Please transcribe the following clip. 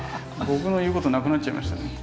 僕の言うことなくなっちゃいましたね。